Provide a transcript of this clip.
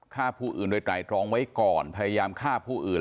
ฆ่าผู้อื่นโดยไตรตรองไว้ก่อนพยายามฆ่าผู้อื่น